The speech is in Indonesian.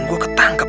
gak ada tau